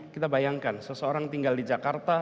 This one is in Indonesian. kita bayangkan seseorang tinggal di jakarta